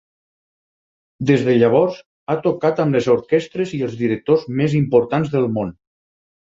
Des de llavors ha tocat amb les orquestres i els directors més importants del món.